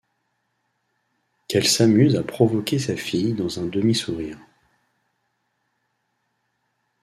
Qu’elle s’amuse à provoquer sa fille dans un demi-sourire.